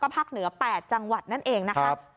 ภาคเหนือ๘จังหวัดนั่นเองนะครับ